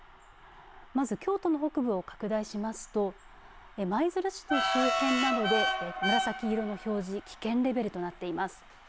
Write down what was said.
まず京都の北部を拡大しますと舞鶴市と周辺などで紫色の表示危険レベルとなっています。